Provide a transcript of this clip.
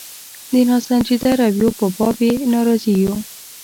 د ناسنجیده رویو په باب یې ناراضي وو.